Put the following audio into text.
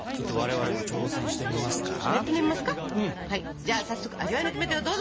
じゃあ早速味わいのキメテをどうぞ！